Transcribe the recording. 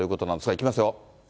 いきますよ。